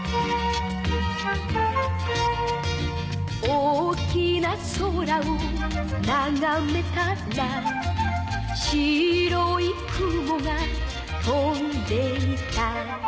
「大きな空をながめたら」「白い雲が飛んでいた」